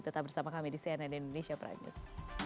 tetap bersama kami di cnn indonesia prime news